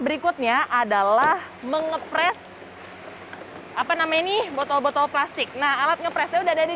berikutnya adalah mengepres hai apa namanya nih botol botol plastik nah alat ngepres sudah ada